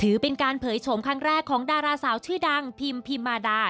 ถือเป็นการเผยโฉมครั้งแรกของดาราสาวชื่อดังพิมพิมมาดา